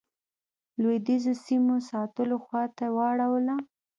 لوېدیځو سیمو ساتلو خواته واړوله.